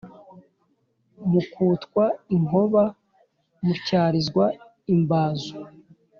mukutwa inkoba mutyarizwa imbazo